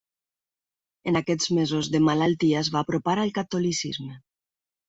En aquests mesos de malaltia es va apropar al catolicisme.